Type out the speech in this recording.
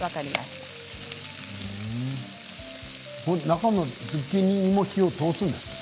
中のズッキーニも火を通すんですか？